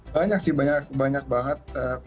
banyak sih banyak banyak banget